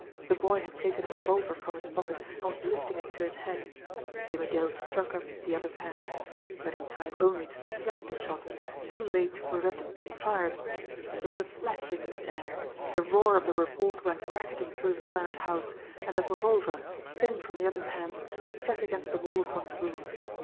The boy had taken a revolver from his pocket, and was lifting it to his head. Jimmie Dale struck up the other's hand but in time only to deflect the shot; too late to prevent it being fired. There was a flash in mid air, the roar of the report went racketing through the silent house, and the revolver, spinning from the other's hands, struck against the wall across the room.